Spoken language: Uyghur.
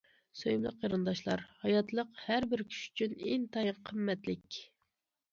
سۆيۈملۈك قېرىنداشلار، ھاياتلىق ھەر بىر كىشى ئۈچۈن ئىنتايىن قىممەتلىك.